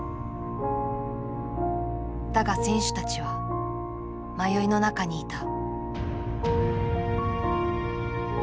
だが選手たちは迷いの中にいた。